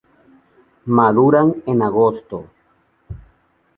Maduran en agosto.